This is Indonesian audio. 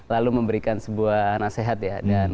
lalu memberikan sebuah nasihat ya